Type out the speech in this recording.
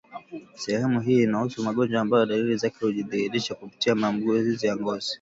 Sehemu hii inahusu magonjwa ambayo dalili zake hujidhihirisha kupitia maambukizi ya ngozi